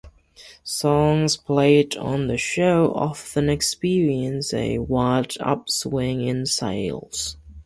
Songs played on the show often experienced a wild upswing in sales.